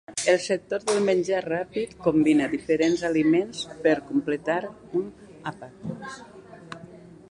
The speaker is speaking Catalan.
El sector del menjar ràpid combina diferents aliments per completar un àpat.